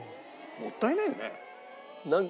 もったいないよね。